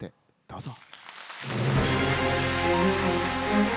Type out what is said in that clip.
どうぞ。